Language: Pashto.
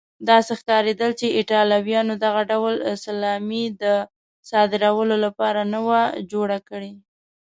داسې ښکارېدل چې ایټالویانو دغه ډول سلامي د صادرولو لپاره نه وه جوړه کړې.